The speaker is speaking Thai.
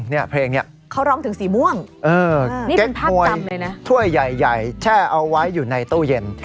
เขาร้องถึงสีม่วงเก๊กหวยถ้วยใหญ่แช่เอาไว้อยู่ในตู้เย็น